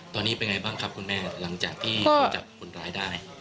ตอนนี้เป็นไงบ้างครับคุณแม่หลังจากที่เขาจับคนร้ายได้